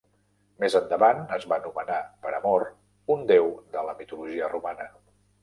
Més endavant es va nomenar per Amor, un déu de la mitologia romana.